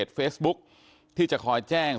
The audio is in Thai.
สวัสดีคุณผู้ชมครับสวัสดีคุณผู้ชมครับ